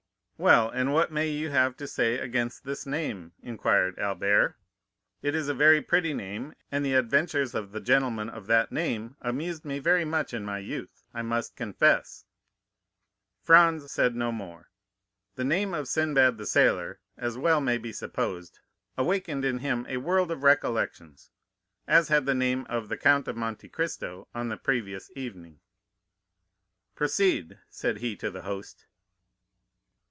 "Well, and what may you have to say against this name?" inquired Albert; "it is a very pretty name, and the adventures of the gentleman of that name amused me very much in my youth, I must confess." Franz said no more. The name of Sinbad the Sailor, as may well be supposed, awakened in him a world of recollections, as had the name of the Count of Monte Cristo on the previous evening. "Proceed!" said he to the host.